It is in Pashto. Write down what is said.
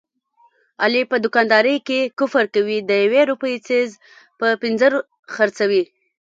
علي په دوکاندارۍ کې کفر کوي، د یوې روپۍ څیز په پینځه خرڅوي.